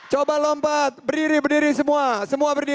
coba lompat berdiri semua